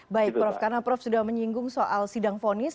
baik prof karena prof sudah menyinggung soal sidang fonis